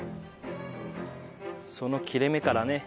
その切れ目からね